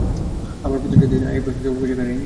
আমি প্রতিটা দিন এই প্রশ্নের জবাব খুঁজে কাটাইনি?